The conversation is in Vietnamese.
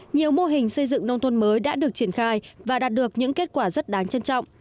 nhiều mô hình xây dựng nông thôn mới đã được triển khai và đạt được những kết quả rất đáng trân trọng